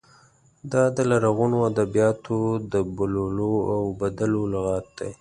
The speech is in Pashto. دا د لرغونو ادبیاتو د بوللو او بدلو لغت دی.